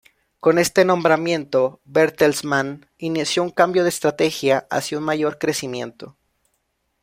Con este nombramiento, Bertelsmann inició un cambio de estrategia hacia un mayor crecimiento.